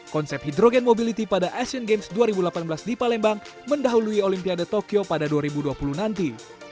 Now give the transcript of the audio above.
konsep hidrogen mobility pada asian games dua ribu delapan belas di palembang mendahului olimpiade tokyo pada dua ribu dua puluh nanti